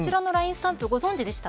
スタンプご存じでした。